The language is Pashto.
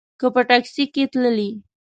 که په ټیکسي کې تللې.